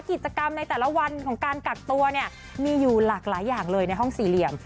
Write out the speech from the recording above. กิจกรรมในแต่ละวันของการกักตัวเนี่ยมีอยู่หลากหลายอย่างเลยในห้องสี่เหลี่ยม